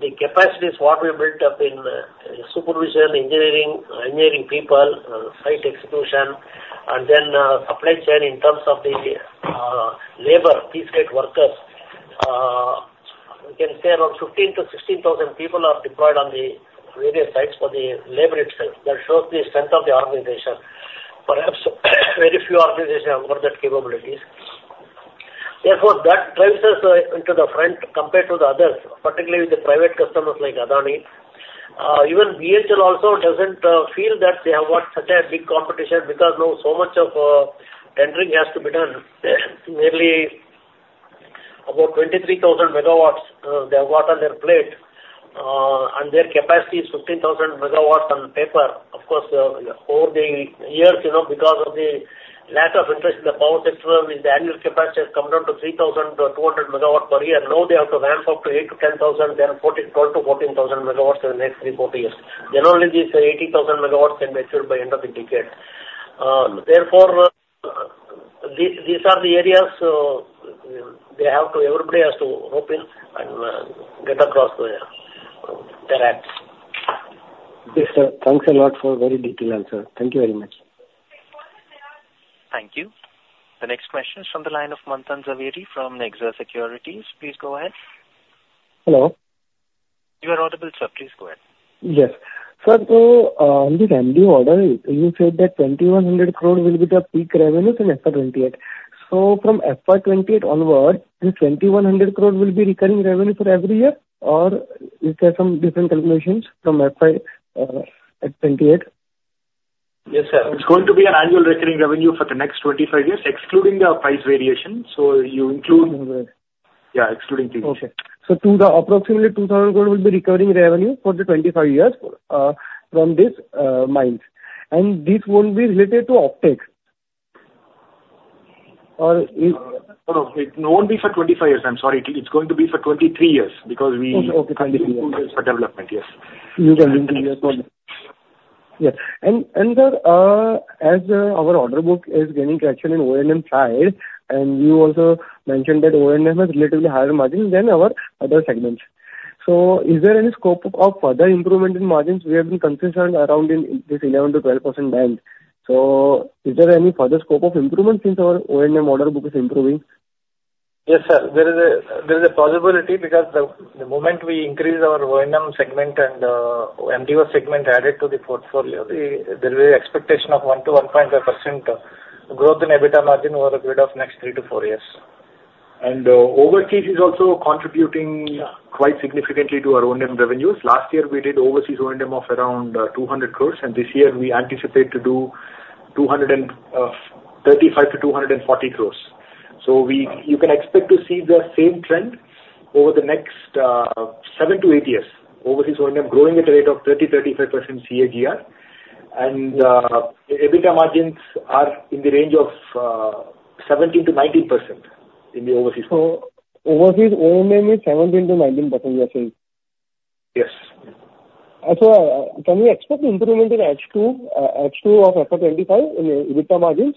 the capacities what we built up in supervision, engineering, engineering people, site execution, and then supply chain in terms of the labor, piece-rate workers, we can say around 15,000-16,000 people are deployed on the various sites for the labor itself. That shows the strength of the organization. Perhaps very few organizations have got those capabilities. Therefore, that drives us into the front compared to the others, particularly with the private customers like Adani. Even BHEL also doesn't feel that they have got such a big competition because now so much of tendering has to be done. Nearly about 23,000 MW they have got on their plate. And their capacity is 15,000 MW on paper. Of course, over the years, because of the lack of interest in the power sector, the annual capacity has come down to 3,200 MW per year. Now they have to ramp up to 8,000-10,000 MW, then 12,000-14,000 MW in the next 3-4 years. Then only these 80,000 MW can be achieved by the end of the decade. Therefore, these are the areas they have to everybody has to hop in and get across their act. Yes, sir. Thanks a lot for very detailed answer. Thank you very much. Thank you. The next question is from the line of Manthan Jhaveri from Nexus Securities. Please go ahead. Hello. You are audible, sir. Please go ahead. Yes. Sir, so on the revenue order, you said that 2,100 crores will be the peak revenue from FY 2028. So from FY 2028 onward, is 2,100 crores will be recurring revenue for every year? Or is there some different calculations from FY 2028? Yes, sir. It's going to be an annual recurring revenue for the next 25 years, excluding the price variation. So you include yeah, excluding changes. Okay. So approximately 2,000 crores will be recurring revenue for the 25 years from this mines. And this won't be related to offtake? Or? No, it won't be for 25 years. I'm sorry. It's going to be for 23 years because we use it for development. Yes. You can use it for development. Yes. Sir, as our order book is gaining traction in O&M side, and you also mentioned that O&M has relatively higher margins than our other segments. So is there any scope of further improvement in margins? We have been concerned around this 11%-12% band. So is there any further scope of improvement since our O&M order book is improving? Yes, sir. There is a possibility because the moment we increase our O&M segment and MDO segment added to the portfolio, there will be an expectation of 1%-1.5% growth in EBITDA margin over a period of next three to four years. And overseas is also contributing quite significantly to our O&M revenues. Last year, we did overseas O&M of around 200 crores, and this year we anticipate to do 235 crores-240 crores. So you can expect to see the same trend over the next 7-8 years. Overseas O&M growing at a rate of 30%-35% CAGR. And EBITDA margins are in the range of 17%-19% in the overseas O&M. So overseas O&M is 17%-19%, you are saying? Yes. So can we expect improvement in H2 of FY 2025 in EBITDA margins?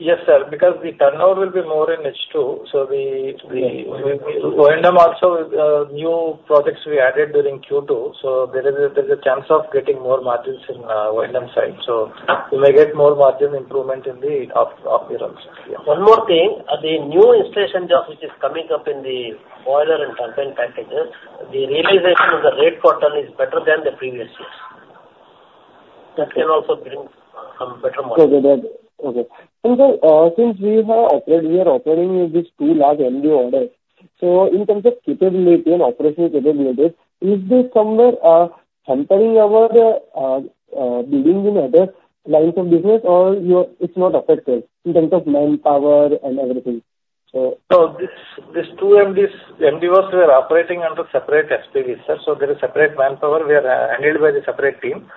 Yes, sir. Because the turnout will be more in H2. So O&M also new projects we added during Q2. So there is a chance of getting more margins in O&M side. So we may get more margin improvement in the upcoming years. One more thing. The new installation jobs which is coming up in the boiler and turbine packages, the realization of the rate per ton is better than the previous years. That can also bring some better margins. Okay. And sir, since we have operated here, operating with these two large MDO orders, so in terms of capability and operational capabilities, is this somewhere hampering our dealings in other lines of business, or it's not affected in terms of manpower and everything? So these two MDOs were operating under separate SPVs, sir. So there is separate manpower handled by the separate team.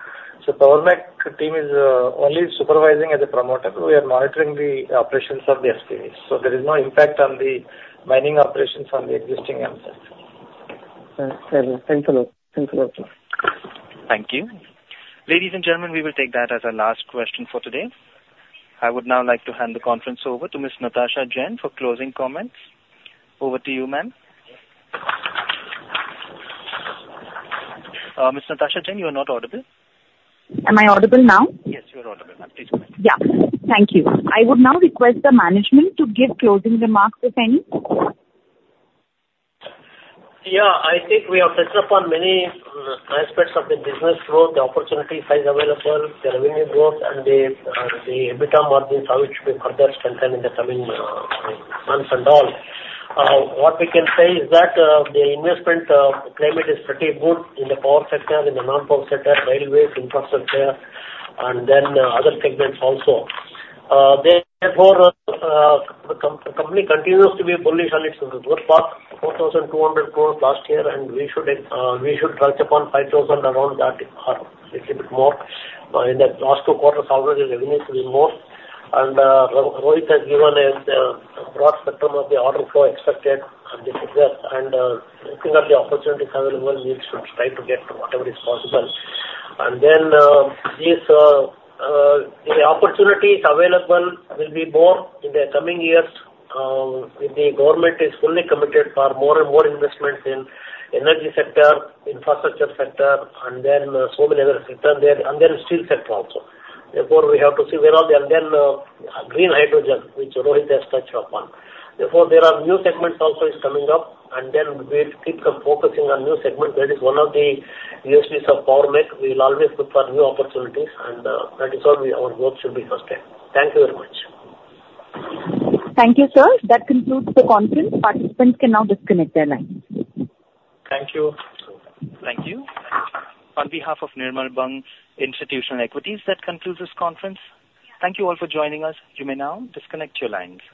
So the Power Mech team is only supervising as a promoter. We are monitoring the operations of the SPVs. So there is no impact on the mining operations on the existing MDOs. Thank you. Thank you. Ladies and gentlemen, we will take that as our last question for today. I would now like to hand the conference over to Ms. Natasha Jain for closing comments. Over to you, ma'am. Ms. Natasha Jain, you are not audible. Am I audible now? Yes, you are audible now. Please go ahead. Yeah. Thank you. I would now request the management to give closing remarks, if any. Yeah. I think we have touched upon many aspects of the business growth, the opportunity size available, the revenue growth, and the EBITDA margins which will be further strengthened in the coming months and all. What we can say is that the investment climate is pretty good in the power sector, in the non-power sector, railways, infrastructure, and then other segments also. Therefore, the company continues to be bullish on its growth path. 4,200 crores last year, and we should touch upon 5,000 crores around that, a little bit more. In the last two quarters, already revenues have been more. And Rohit has given a broad spectrum of the order flow expected. And I think that the opportunities available, we should try to get whatever is possible. And then the opportunities available will be more in the coming years if the government is fully committed for more and more investments in the energy sector, infrastructure sector, and then so many other sectors, and then steel sector also. Therefore, we have to see where all the and then green hydrogen, which Rohit has touched upon. Therefore, there are new segments also coming up. And then we keep focusing on new segments. That is one of the USPs of Power Mech. We will always look for new opportunities. And that is all our work should be focused on. Thank you very much. Thank you, sir. That concludes the conference. Participants can now disconnect their lines. Thank you. Thank you. On behalf of Nirmal Bang Institutional Equities, that concludes this conference. Thank you all for joining us. You may now disconnect your lines.